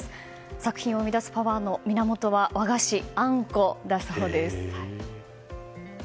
作品を生み出すパワーの源は和菓子、あんこだそうです。